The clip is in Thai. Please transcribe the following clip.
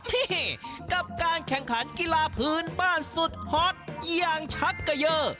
นี่กับการแข่งขันกีฬาพื้นบ้านสุดฮอตอย่างชักเกยอร์